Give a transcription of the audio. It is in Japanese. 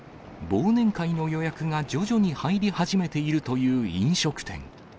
忘年会の予約が徐々に入り始めているという飲食店。